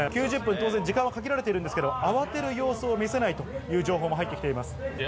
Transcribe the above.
９０分と時間は限られていますが慌てる様子を見せないという情報も入ってきています。